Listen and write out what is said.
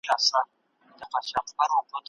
ثمرګل خپل تور څادر په اوږه باندې واچاوه.